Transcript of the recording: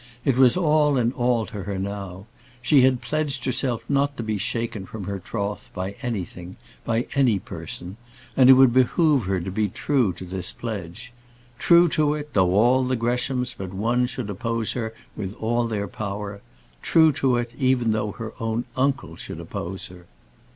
It was all in all to her now. She had pledged herself not to be shaken from her troth by anything, by any person; and it would behove her to be true to this pledge. True to it, though all the Greshams but one should oppose her with all their power; true to it, even though her own uncle should oppose her.